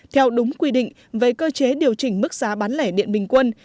theo đúng quy định về cơ chế điều chỉnh mức giá bán lẻ điện bình quân